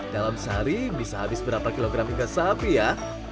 dalam sehari bisa habis berapa kilogram iga sapi ya